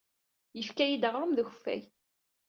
Yefka-iyi-d aɣrum d ukeffay.